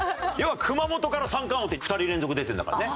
熊本から三冠王って２人連続出てるんだからね。